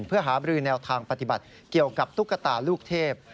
เพื่อหาบรือแนวทางปฏิบัติเกี่ยวกับตุ๊กตาลูกเทพ